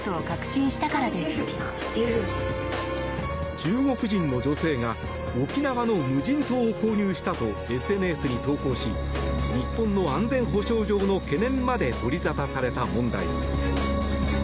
中国人の女性が沖縄の無人島を購入したとＳＮＳに投稿し日本の安全保障上の懸念まで取り沙汰された問題。